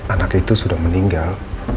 anak itu sudah meninggal